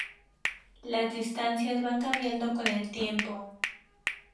Las distancias van cambiando con el tiempo.